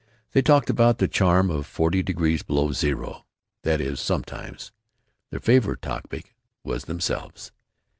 They talked about the charm of forty degrees below zero. That is, sometimes. Their favorite topic was themselves.